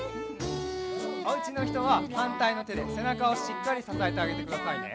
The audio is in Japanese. おうちのひとははんたいのてでせなかをしっかりささえてあげてくださいね。